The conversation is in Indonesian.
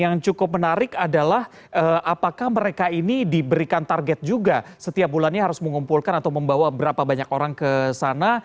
yang cukup menarik adalah apakah mereka ini diberikan target juga setiap bulannya harus mengumpulkan atau membawa berapa banyak orang ke sana